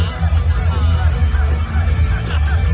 มันเป็นเมื่อไหร่แล้ว